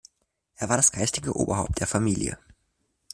Er war das geistige Oberhaupt der Familie.